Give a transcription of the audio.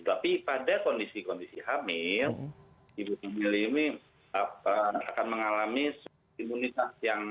tapi pada kondisi kondisi hamil ibu hamil ini akan mengalami imunitas yang